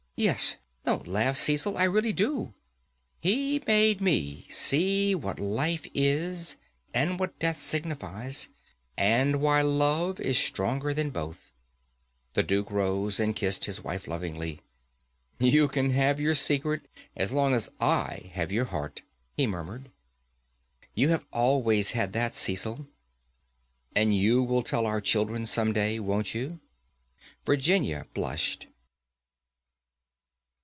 Yes, don't laugh, Cecil, I really do. He made me see what Life is, and what Death signifies, and why Love is stronger than both." The Duke rose and kissed his wife lovingly. "You can have your secret as long as I have your heart," he murmured. "You have always had that, Cecil." "And you will tell our children some day, won't you?" Virginia blushed.